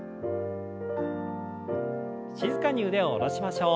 静かに腕を下ろしましょう。